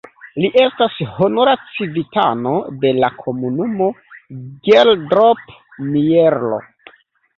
Li estas honora civitano de la komunumo Geldrop-Mierlo.